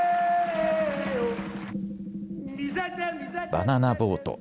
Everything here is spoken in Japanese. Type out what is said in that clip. バナナ・ボート。